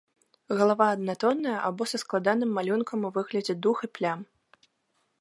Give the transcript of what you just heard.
Галава аднатонная або са складаным малюнкам у выглядзе дуг і плям.